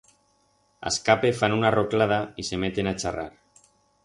A escape fan una roclada y se meten a charrar.